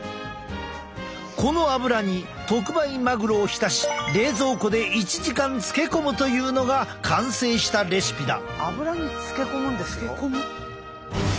このアブラに特売マグロを浸し冷蔵庫で１時間漬け込むというのが完成したレシピだ。